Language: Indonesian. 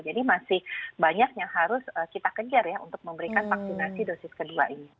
jadi masih banyak yang harus kita kejar ya untuk memberikan vaksinasi dosis kedua ini